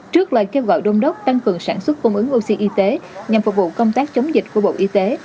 trước lời kêu gọi đông đốc tăng cường sản xuất cung ứng oxy y tế nhằm phục vụ công tác chống dịch của bộ y tế